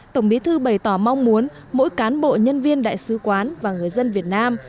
tổng bí thư bày tỏ mong muốn mỗi cán bộ nhân viên đại sứ quán và người dân việt nam